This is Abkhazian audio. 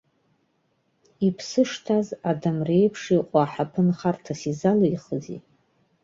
Иԥсы шҭаз адамреиԥш иҟоу аҳаԥы нхарҭас изалихзеи?